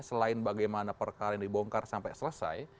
selain bagaimana perkara yang dibongkar sampai selesai